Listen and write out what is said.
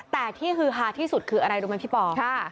แต่ที่ฮือฮาที่สุดคืออะไรรู้ไหมพี่ปอ